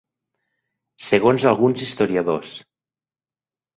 Segons alguns historiadors.